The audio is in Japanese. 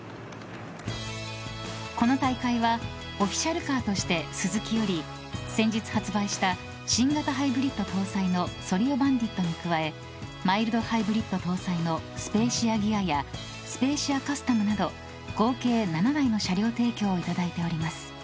この大会はオフィシャルカーとしてスズキより先日発売した新型ハイブリッド搭載のソリオバンディットに加えマイルドハイブリッド搭載のスペーシアギアやスペーシアカスタムなど合計７台の車両提供をいただいております。